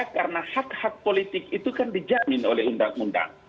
karena hak hak politik itu kan dijamin oleh undang undang